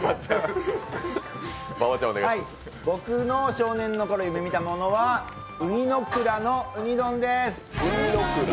僕の少年のころ夢みたものは雲丹ノ蔵のウニ丼です。